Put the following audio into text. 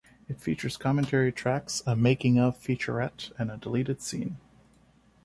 It features commentary tracks, a "making of" featurette and a deleted scene.